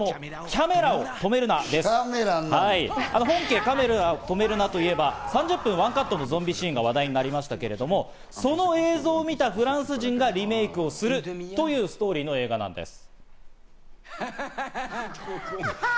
『カメラを止めるな！』といえば３０分１カットのゾンビシーンが話題になりましたけれども、その映像を見たフランス人がリメイクするというストーリーの映画なんです。